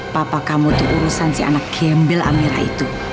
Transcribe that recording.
papa kamu itu urusan si anak gembel amirah itu